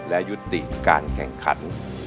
และยุติการแข่งขัน